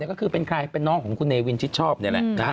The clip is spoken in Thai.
ก็คือเป็นใครเป็นน้องของคุณเนวินชิดชอบนี่แหละนะฮะ